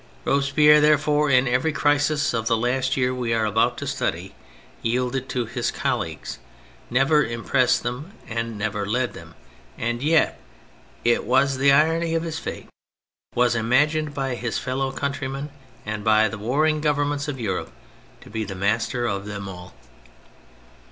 Robespierre, therefore, in every crisis of the last year we are about to study, yielded to his colleagues, never impressed them and never led them, and yet (it was the irony of his fate) was imagined by his fellow countrymen and by the warring Governments of Europe to be the master of them all.